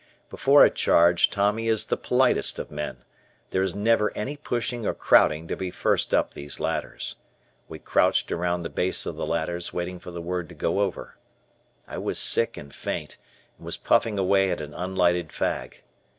Before a charge Tommy is the politest of men. There is never any pushing or crowding to be first up these ladders. We crouched around the base of the ladders waiting for the word to go over. I was sick and faint, and was puffing away at an unlighted fag.